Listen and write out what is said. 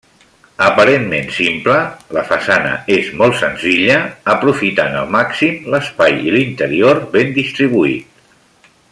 Aparentment simple -la façana és molt senzilla-, aprofitant el màxim l'espai i interior ben distribuït.